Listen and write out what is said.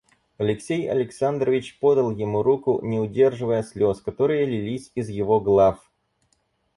Алексей Александрович подал ему руку, не удерживая слез, которые лились из его глав.